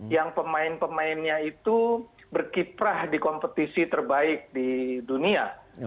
yang pemain pemainnya itu berkiprah di kompetisi terbaik di dunia